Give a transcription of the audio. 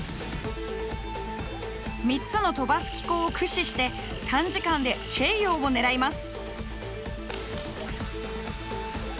３つの飛ばす機構を駆使して短時間でチェイヨーを狙います。